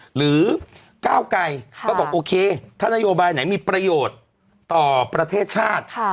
หรือก้าวไกรก็บอกโอเคถ้านโยบายไหนมีประโยชน์ต่อประเทศชาติ